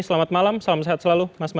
selamat malam salam sehat selalu mas bas